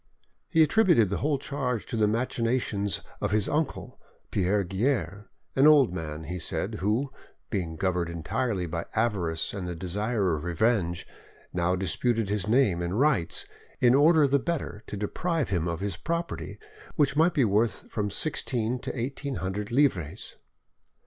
He attributed the whole charge to the machinations of his uncle, Pierre Guerre; an old man, he said, who, being governed entirely by avarice and the desire of revenge, now disputed his name and rights, in order the better to deprive him of his property, which might be worth from sixteen to eighteen hundred livres.